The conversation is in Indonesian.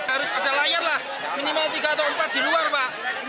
harus ada layar lah minimal tiga atau empat di luar pak